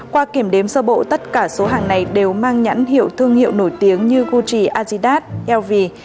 qua kiểm đếm sơ bộ tất cả số hàng này đều mang nhẵn hiệu thương hiệu nổi tiếng như gucci adidas lv